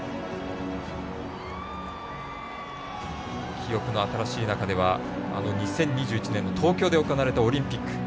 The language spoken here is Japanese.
記憶の新しい中では２０２１年の東京で行われたオリンピック。